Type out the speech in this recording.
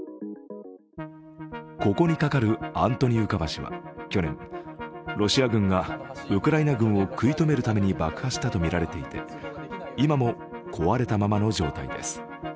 ここにかかるアントニウカ橋は去年、ロシア軍がウクライナ軍を食い止めるために爆破したとみられていて今も壊れたままの状態です。